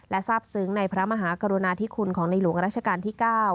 และทราบซึ้งในพระมหากรุณาธิคุณของในหลวงราชการที่๙